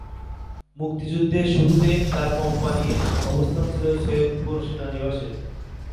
মুক্তিযুদ্ধের শুরুতে তার কোম্পানির অবস্থান ছিল সৈয়দপুর সেনানিবাসে।